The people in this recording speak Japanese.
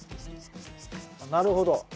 なるほど。